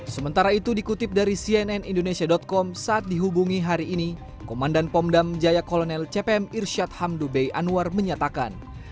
sementara itu dikutip dari cnn indonesia com saat dihubungi hari ini komandan pomdam jaya kolonel cpm irsyad hamdubey anwar menyatakan